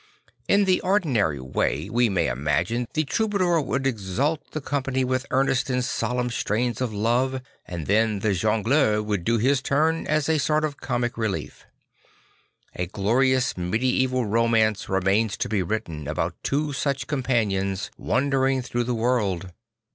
In the ordinary way, we may imagine, the troubadour wou]d exalt the company with earnest and solemn strains of love and then the jongleur would do his turn as a sort of comic relief. A glorious medieval romance remains to be \\TItten about t\VO such companions wandering through the world.